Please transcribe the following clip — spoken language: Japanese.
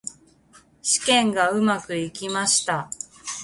試験がうまくいきました。